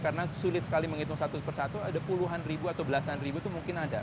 karena sulit sekali menghitung satu persatu ada puluhan ribu atau belasan ribu itu mungkin ada